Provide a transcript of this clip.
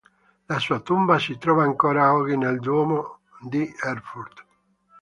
La sua tomba si trova ancora oggi nel duomo di Erfurt.